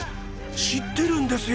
知ってるんですよ